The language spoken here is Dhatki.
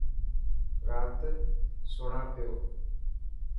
رات سڻان پيو.